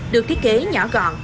được thiết kế nhỏ gọn